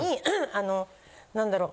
あのなんだろう。